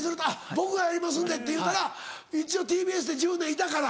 「僕がやりますんで」って言ったら一応ＴＢＳで１０年いたから。